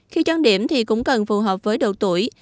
khi trang điểm thì cũng cần phù hợp với độ tuổi